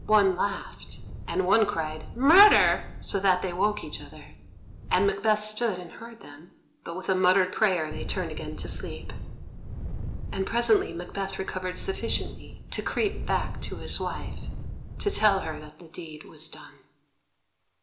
One laughed, and one cried "Murder!" so that they woke each other; and Macbeth stood and heard them. But with a muttered prayer they turned again to sleep, and presently Macbeth recovered sufficiently to creep back to his wife to tell her that the deed was done.